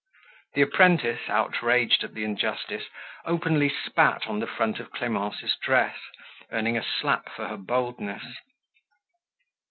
The apprentice, outraged at the injustice, openly spat on the front of Clemence's dress, earning a slap for her boldness.